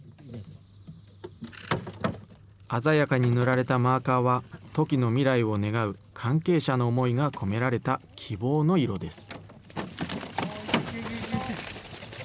鮮やかに塗られたマーカーは、トキの未来を願う関係者の思いが込められた希望の色です。